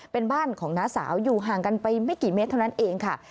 เป็นบ้านของน้าสาวอยู่ห่างกันไปไม่กี่เมตรเท่านั้นเองค่ะ